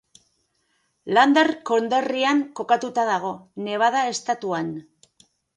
Lander konderrian kokatuta dago, Nevada estatuan.